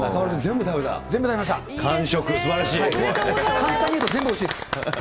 簡単に言うと全部おいしいです。